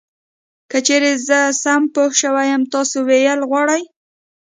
که چېرې زه سم پوه شوی یم تاسې ویل غواړی .